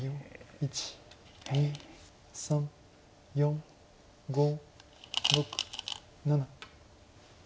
１２３４５６７。